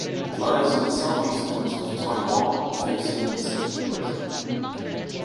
It lies on the southeast coast of Taiwan facing the Pacific Ocean.